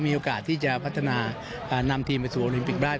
มีโอกาสที่จะพัฒนานำทีมไปสู่โอลิมปิกได้